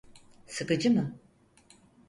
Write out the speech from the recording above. Sıkıcı mı?